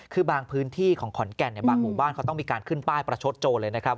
คือบางพื้นที่ของขอนแก่นบางหมู่บ้านเขาต้องมีการขึ้นป้ายประชดโจรเลยนะครับ